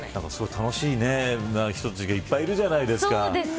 すごい楽しい人たちがいっぱいいるじゃないですか。